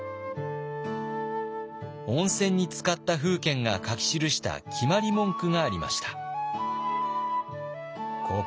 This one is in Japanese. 温泉につかった楓軒が書き記した決まり文句がありました。